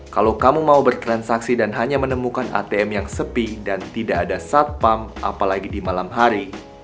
kalau kamu mau bertransaksi dan hanya menemukan atm yang sepi dan tidak ada satpam apalagi di malam hari